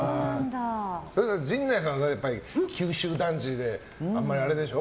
陣内さんは九州男児であんまり、あれでしょ？